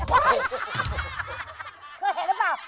เห็นหรือเปล่า